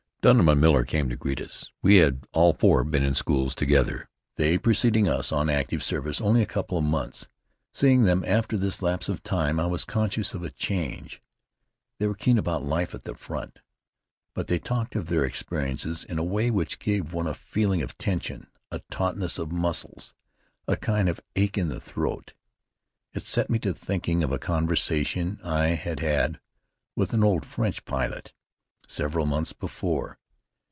Dunham and Miller came to meet us. We had all four been in the schools together, they preceding us on active service only a couple of months. Seeing them after this lapse of time, I was conscious of a change. They were keen about life at the front, but they talked of their experiences in a way which gave one a feeling of tension, a tautness of muscles, a kind of ache in the throat. It set me to thinking of a conversation I had had with an old French pilot, several months before.